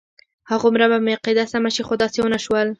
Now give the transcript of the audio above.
هغومره به مې عقیده سمه شي خو داسې ونه شول.